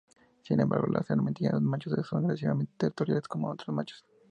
Sin embargo, los ermitaños machos son agresivamente territoriales con otros machos.